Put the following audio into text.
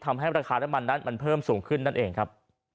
ทำให้ราคาน้ำมันนั้นมันเพิ่มสูงขึ้นนั่นเองครับ